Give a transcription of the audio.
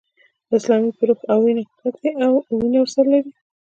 اسلام یې په روح او وینه کې ګډ دی او ورسره مینه لري.